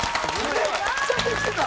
めっちゃできてた！